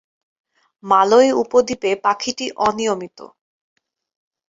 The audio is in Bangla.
মালয় উপদ্বীপে পাখিটি অনিয়মিত।